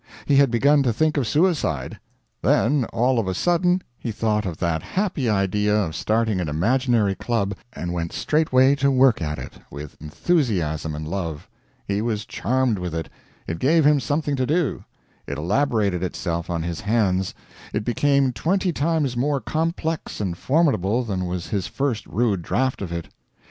He had begun to think of suicide. Then all of a sudden he thought of that happy idea of starting an imaginary club, and went straightway to work at it, with enthusiasm and love. He was charmed with it; it gave him something to do. It elaborated itself on his hands; it became twenty times more complex and formidable than was his first rude draft of it.